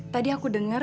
tadi aku dengar